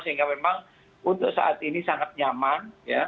sehingga memang untuk saat ini sangat nyaman